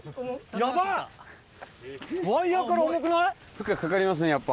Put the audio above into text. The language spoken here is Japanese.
負荷かかりますねやっぱ。